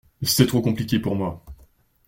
C’est trop compliqué pour moi.